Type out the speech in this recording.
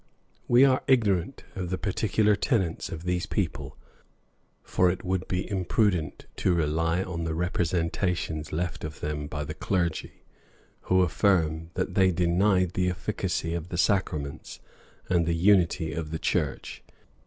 We are ignorant of the particular tenets of these people; for it would be imprudent to rely on the representations left of them by the clergy, who affirm, that they denied the efficacy of the sacraments and the unity of the church.